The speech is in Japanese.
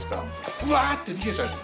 「うわ」って逃げちゃうんですね。